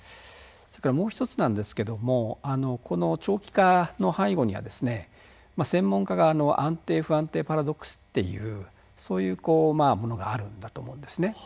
それからもう１つなんですけれどもこの長期化の背後には専門家が安定・不安定パラドックスっていうそういうものがあるんだと思うんですね。